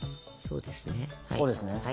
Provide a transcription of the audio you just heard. そうですね。